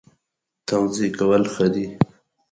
تواضع کول ښه دي